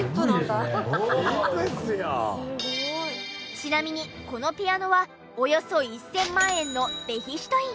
ちなみにこのピアノはおよそ１０００万円のベヒシュタイン。